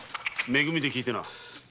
め組で聞いてな。